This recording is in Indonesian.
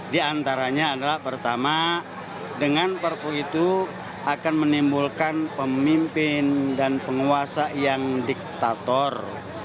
di antaranya adalah pertama dengan perpu itu akan menimbulkan pemimpin dan penguasa yang diktator